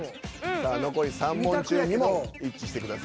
さあ残り３問中２問一致してください。